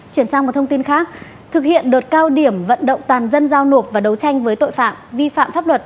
chuyển sang một thông tin khác thực hiện đợt cao điểm vận động toàn dân giao nộp và đấu tranh với tội phạm vi phạm pháp luật